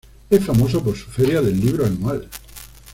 Es famoso por su feria del libro anual.